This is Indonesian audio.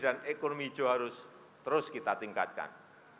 dan ekonomi hijau harus terus kita tingkatkan